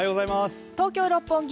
東京・六本木